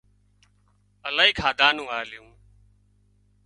الاهي کاڌا نُون آليون